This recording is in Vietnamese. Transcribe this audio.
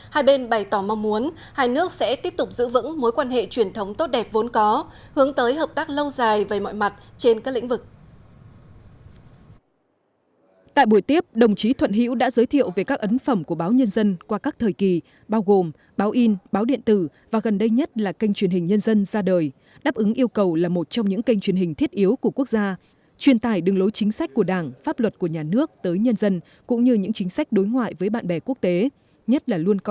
hai bên bày tỏ mong muốn hai nước sẽ tiếp tục giữ vững mối quan hệ truyền thống tốt đẹp vốn có hướng tới hợp tác lâu dài về mọi mặt trên các lĩnh vực